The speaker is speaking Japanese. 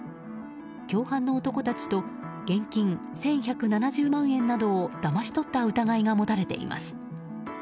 共犯の男たちと現金１１７０万円などをだまし取った疑いが持たれています。